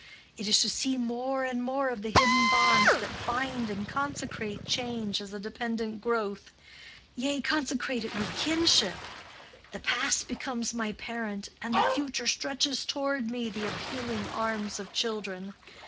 It is to see more and more of the hidden bonds that bind and consecrate change as a dependent growth—yea, consecrate it with kinship: the past becomes my parent and the future stretches toward me the appealing arms of children.